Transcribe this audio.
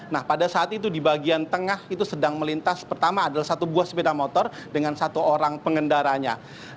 nah pada saat itu di bagian tengah itu sedang melintas pertama adalah satu buah sepeda motor dengan satu orang pengendaranya